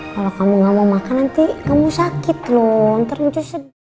kalau kamu nggak mau makan nanti kamu sakit loh